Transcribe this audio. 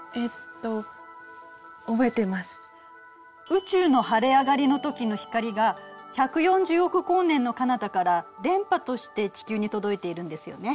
宇宙の晴れ上がりのときの光が１４０億光年のかなたから電波として地球に届いているんですよね。